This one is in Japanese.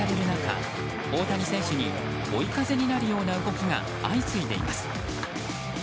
中大谷選手に追い風になるような動きが相次いでいます。